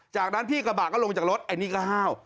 จากนั้นพี่กระบะก็ลงจากรถไอ้นี่ก็ห้าว